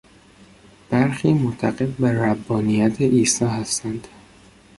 برخی معتقد به ربانیت عیسی هستند.